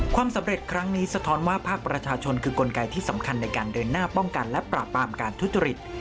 ความสำเร็จครั้งนี้สะท้อนว่าภาคประชาชนคือกลไกที่สำคัญในการเดินหน้าป้องกันและปราบปรามการทุจริต